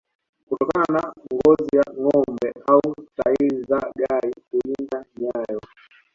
kutokana na ngozi ya ngombe au tairi za gari kulinda nyayo